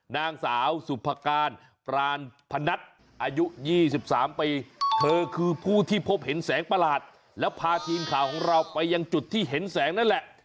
แล้วพาทีมข่าวของเราไปยังจุดที่เห็นแสงนั่นแหละ